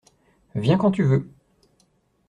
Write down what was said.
Viens quand tu veux.